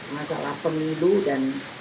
masalah pemilu dan